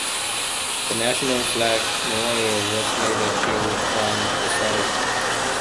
The National Flag Memorial was later built on the site.